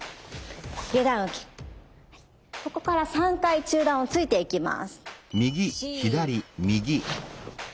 ここから３回中段を突いていきます。